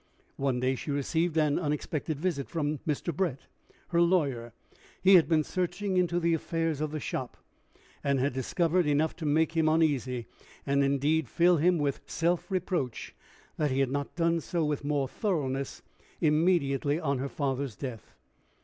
One day she received an unexpected visit from Mr. Brett, her lawyer. He had been searching into the affairs of the shop, and had discovered enough to make him uneasy, and indeed fill him with self reproach that he had not done so with more thoroughness immediately on her father's death.